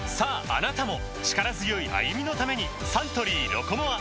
あなたも力強い歩みのためにサントリー「ロコモア」